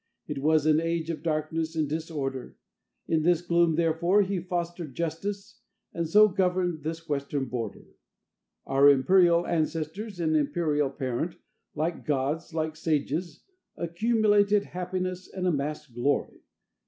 It was an age of darkness and disorder. In this gloom, therefore, he fostered justice, and so governed this western border. "Our imperial ancestors and imperial parent, like gods, like sages, accumulated happiness and amassed glory.